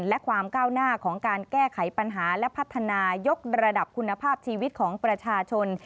และความก้าวหน้าของการแก้ไขปัญหาและพัฒนายกระดับคุณภาพชีวิตของประชาชน